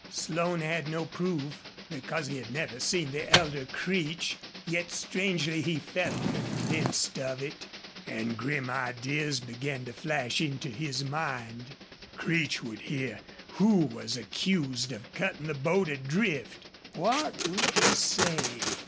Slone had no proof, because he had never seen the elder Creech, yet strangely he felt convinced of it. And grim ideas began to flash into his mind. Creech would hear who was accused of cutting the boat adrift. What would he say?